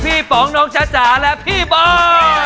พี่ป๋องน้องจ๊ะจ๋าและพี่บอร์น